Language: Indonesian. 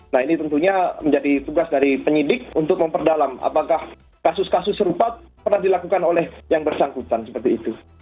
nah ini tentunya menjadi tugas dari penyidik untuk memperdalam apakah kasus kasus serupa pernah dilakukan oleh yang bersangkutan seperti itu